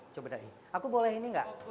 coba dari ini aku boleh ini nggak